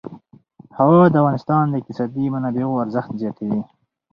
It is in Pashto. هوا د افغانستان د اقتصادي منابعو ارزښت زیاتوي.